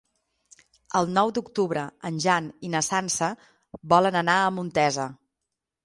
El nou d'octubre en Jan i na Sança volen anar a Montesa.